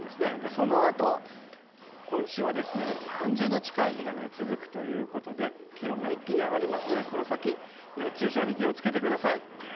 そのあと、今週は３０度近い日が続くということで気温が一気に上がりますのでこの先、熱中症に気を付けてください。